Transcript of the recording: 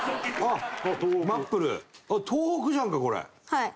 はい。